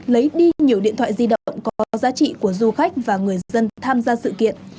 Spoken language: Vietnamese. lấy đi nhiều điện thoại di động có giá trị của du khách và người dân tham gia sự kiện